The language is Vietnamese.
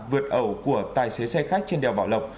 vượt ẩu của tài xế xe khách trên đèo bảo lộc